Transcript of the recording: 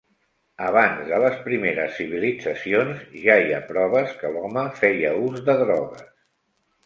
Abans de les primeres civilitzacions ja hi ha proves que l'home feia ús de drogues.